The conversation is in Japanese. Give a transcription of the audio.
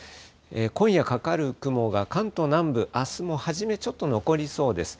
今夜かかる雲が関東南部、あすも初めちょっと残りそうです。